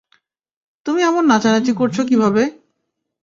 তুমি এমন নাচানাচি করছ কীভাবে?